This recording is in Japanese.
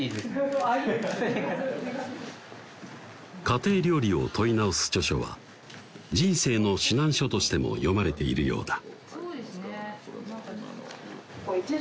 家庭料理を問い直す著書は人生の指南書としても読まれているようだ